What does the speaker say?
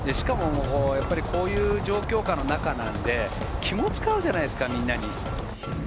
こういう状況下の中なので気も使うじゃないですか。